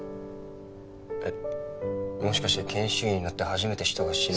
えっもしかして研修医になって初めて人が死ぬ。